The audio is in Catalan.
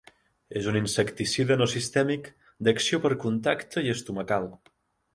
És un insecticida no sistèmic d'acció per contacte i estomacal.